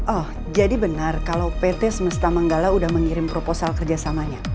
oh jadi benar kalau pt semesta manggala sudah mengirim proposal kerjasamanya